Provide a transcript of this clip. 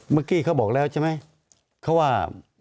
แม่กี้เค้าบอกว่า